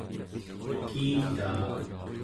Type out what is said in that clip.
tekitaa